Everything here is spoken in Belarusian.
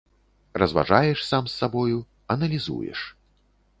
Разважаеш сам з сабою, аналізуеш.